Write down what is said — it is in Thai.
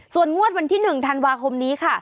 ส่วนงวดวันที่๑ธันวาคมนี้ค่ะ